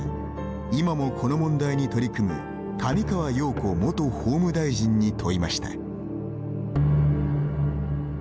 今もこの問題に取り組む上川陽子元法務大臣に問いました。